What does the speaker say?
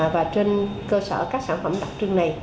và trên cơ sở các sản phẩm đặc trưng này